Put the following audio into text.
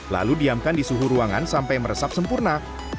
lalu diamkan di suhu ruangan sampai meresap sempurna